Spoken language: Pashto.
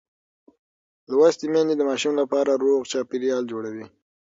لوستې میندې د ماشوم لپاره روغ چاپېریال جوړوي.